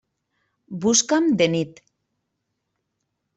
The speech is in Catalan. Busca'm de nit.